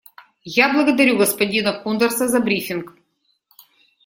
Я благодарю господина Кундерса за брифинг.